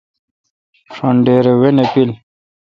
ݭن ڈیر وائ نہ پیل۔